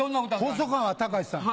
細川たかしさん。